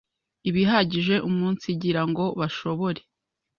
i bihagije umunsigira ngo bashobore